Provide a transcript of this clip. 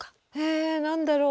え何だろう。